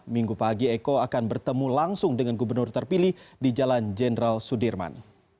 minggu pagi eko akan bertemu langsung dengan gubernur terpilih di jalan jenderal sudirman